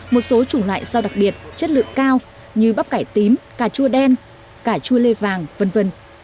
một số chủng loại rau đặc biệt chất lượng cao như bắp cải tím cà chua đen cà chua lê vàng v v